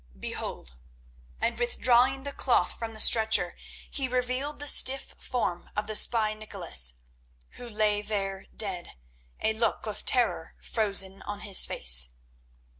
Behold!" and withdrawing the cloth from the stretcher he revealed the stiff form of the spy Nicholas, who lay there dead, a look of terror frozen on his face.